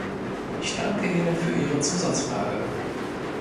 Ich danke Ihnen für Ihre Zusatzfrage.